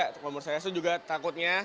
kalau menurut saya itu juga takutnya